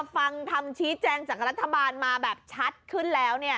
ฟังคำชี้แจงจากรัฐบาลมาแบบชัดขึ้นแล้ว